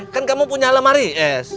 kan kamu punya lemari es